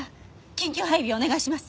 緊急配備お願いします。